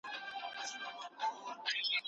ستا پهوخت کې هم لیلا وه اوس همشته